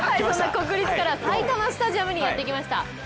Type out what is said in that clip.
国立から埼玉スタジアムにやってきました。